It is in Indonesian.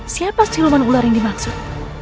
siapa siluman ular yang dimaksud